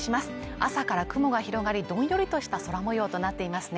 朝から雲が広がりどんよりとした空模様となっていますね